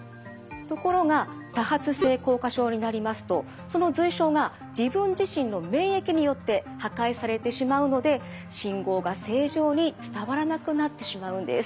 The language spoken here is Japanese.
ところが多発性硬化症になりますとその髄鞘が自分自身の免疫によって破壊されてしまうので信号が正常に伝わらなくなってしまうんです。